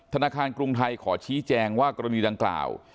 ธนาคารกรุงไทยขอชี้แจงว่ากรณีดังกล่าว